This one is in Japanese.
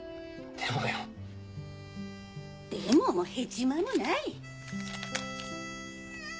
でももヘチマもない。